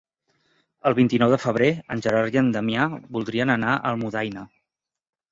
El vint-i-nou de febrer en Gerard i en Damià voldrien anar a Almudaina.